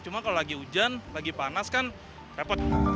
cuma kalau lagi hujan lagi panas kan repot